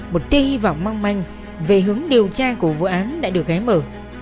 một tia hy vọng măng manh về hướng điều tra của vụ án đã được gái mở